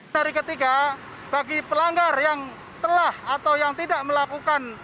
seri ketiga bagi pelanggar yang telah atau yang tidak melakukan